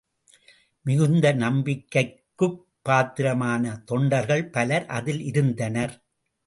மிகுந்த நம்பிக்கைக்குப் பாத்திரமான தொண்டர்கள் பலர் அதில் இருந்தனர்.